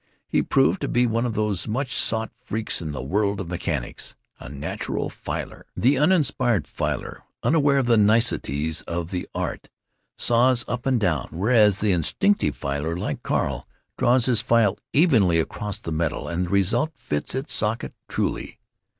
He proved to be one of those much sought freaks in the world of mechanics, a natural filer. The uninspired filer, unaware of the niceties of the art, saws up and down, whereas the instinctive filer, like Carl, draws his file evenly across the metal, and the result fits its socket truly.